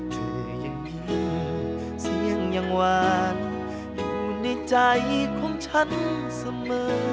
เธอยังมีเสียงยังหวานอยู่ในใจของฉันเสมอ